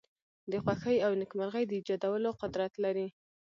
د خوښۍ او نېکمرغی د ایجادولو قدرت لری.